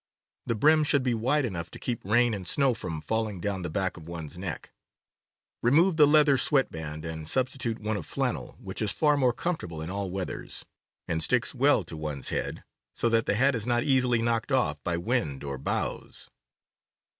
The brim should be wide enough to keep rain and snow from falling down the back of one's neck. Re move the leather sweat band and substitute one of flannel, which is far more comfortable in all weathers, and sticks well to one's head, so that the hat is not easily knocked off by wind or boughs.